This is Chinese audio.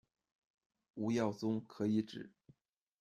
吴耀宗可以指：